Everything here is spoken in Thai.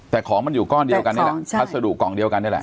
แต่ของมันอยู่ก้อนเดียวกันนี่แหละพัสดุกล่องเดียวกันนี่แหละ